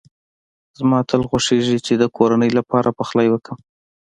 زما تل خوښېږی چي د کورنۍ لپاره پخلی وکړم.